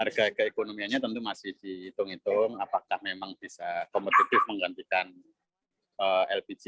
harga keekonomiannya tentu masih dihitung hitung apakah memang bisa kompetitif menggantikan lpg